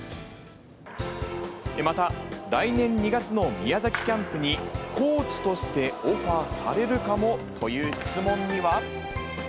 また、来年２月の宮崎キャンプに、コーチとしてオファーされるかもという質問には。